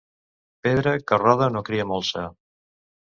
Pedra que roda no cria molsa.